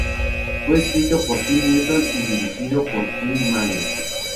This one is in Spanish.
Fue escrito por Kim Newton y dirigido por Kim Manners.